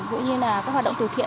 cũng như là các hoạt động từ thiện